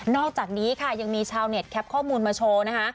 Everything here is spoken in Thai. อกจากนี้ค่ะยังมีชาวเน็ตแคปข้อมูลมาโชว์นะคะ